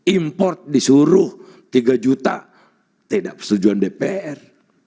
import disuruh tiga juta tidak persetujuan dpr